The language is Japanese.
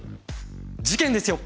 事件ですよ。